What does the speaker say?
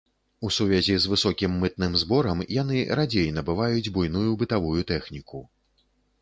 У сувязі з высокім мытным зборам яны радзей набываюць буйную бытавую тэхніку.